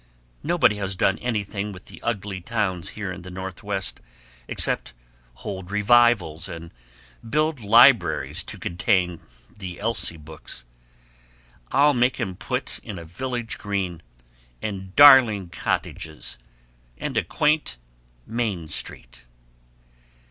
Nobody has done anything with the ugly towns here in the Northwest except hold revivals and build libraries to contain the Elsie books. I'll make 'em put in a village green, and darling cottages, and a quaint Main Street!"